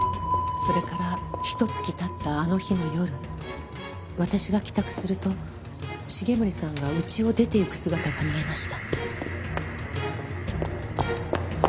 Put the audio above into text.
それからひと月経ったあの日の夜私が帰宅すると重森さんが家を出ていく姿が見えました。